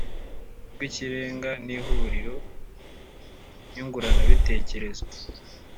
rw Ikirenga n Ihuriro Nyunguranabitekerezo